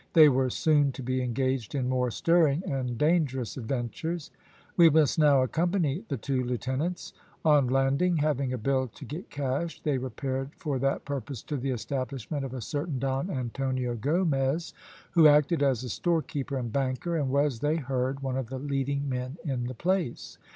They were soon to be engaged in more stirring and dangerous adventures. We must now accompany the two lieutenants. On landing, having a bill to get cashed, they repaired for that purpose to the establishment of a certain Don Antonio Gomez, who acted as store keeper and banker, and was, they heard, one of the leading men in the place.